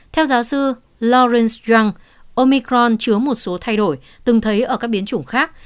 theo giáo sư lawrence young omicron chứa một số thay đổi từng thấy ở các biến chủng khác